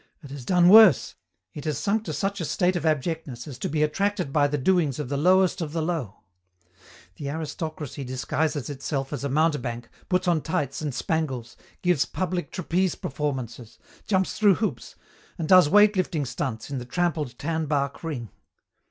It has done worse. It has sunk to such a state of abjectness as to be attracted by the doings of the lowest of the low. The aristocracy disguises itself as a mountebank, puts on tights and spangles, gives public trapeze performances, jumps through hoops, and does weight lifting stunts in the trampled tan bark ring!